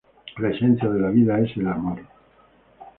La esencia de la vida es el amor.